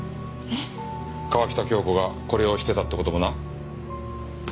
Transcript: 川喜多京子がこれをしてたって事もな。